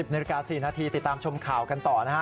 ๑นาฬิกา๔นาทีติดตามชมข่าวกันต่อนะฮะ